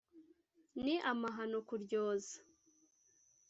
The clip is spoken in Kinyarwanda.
ni amahano kuryoza